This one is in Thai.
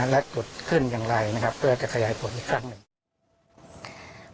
และกุดขึ้นอย่างไรนะครับเพื่อจะขยายผลอีกครั้งหนึ่ง